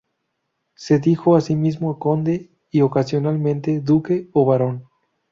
Se dijo a sí mismo Conde y ocasionalmente Duque o Barón.